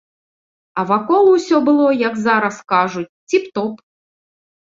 А вакол усё было, як зараз кажуць, ціп-топ.